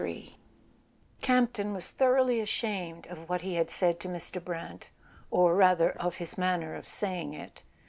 XXIII C AMPTON was thoroughly ashamed of what he had said to MDr. Brant, or rather of his manner of saying it.